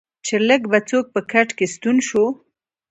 چې لږ به څوک په کټ کې ستون شو.